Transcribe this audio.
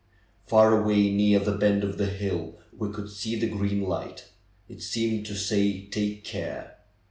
Far away near the bend of the hill we could see the green light ; it seemed to say, '^take care."